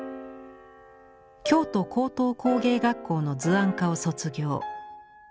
京都高等工芸学校の図案科を卒業。